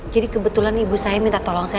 jadi kebetulan ibu saya minta tolong saya